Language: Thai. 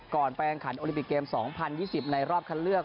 ไปแข่งขันโอลิปิกเกม๒๐๒๐ในรอบคัดเลือก